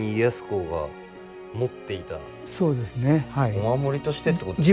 お守りとしてってことですね。